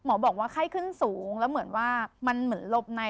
หมอบอกว่าไข้ขึ้นสูงแล้วเหมือนแบบมันหลบใน